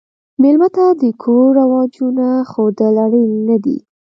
مېلمه ته د کور رواجونه ښودل اړین نه دي.